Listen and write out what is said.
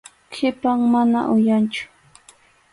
Qhipan, mana uyanchu.